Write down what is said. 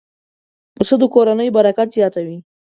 پسه د کورنۍ برکت زیاتوي.